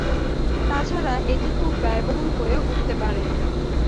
তা ছাড়া এটি খুব ব্যয়বহুল হয়ে উঠতে পারে।